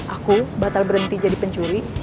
aku batal berhenti jadi pencuri